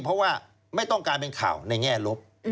เพราะว่าไม่ต้องการเป็นข่าวในแง่ลบ